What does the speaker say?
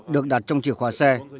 được đặt trong chìa khóa xe